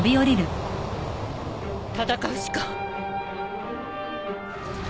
戦うしか。